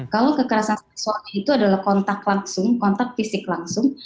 kalau kekerasan seksual itu adalah kontak langsung kontak fisik langsung